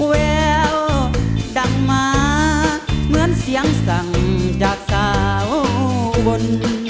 แววดังมาเหมือนเสียงสั่งจากสาวบน